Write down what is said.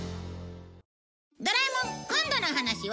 『ドラえもん』今度の話は